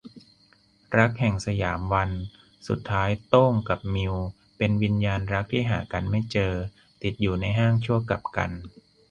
รักแห่งสยามวัน - สุดท้ายโต้งกับมิวเป็นวิญญาณรักที่หากันไม่เจอ ติดอยู่ในห้างชั่วกัปกัลป์